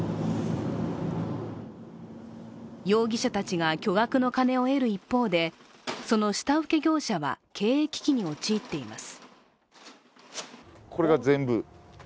容疑者たちが巨額の金を得る一方でその下請け業者は経営危機に陥っています。